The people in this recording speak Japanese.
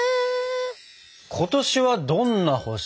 「今年はどんな星？」。